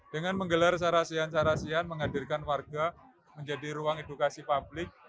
dengan menggelar sarasian sarasian menghadirkan warga menjadi ruang edukasi publik